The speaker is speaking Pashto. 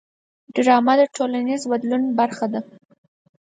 ډرامه د ټولنیز بدلون برخه ده